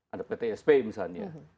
ada ptsp misalnya